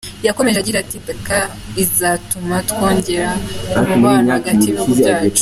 Yakomeje agira ati “Dakar izatuma twongera umubano hagati y’ibihugu byacu.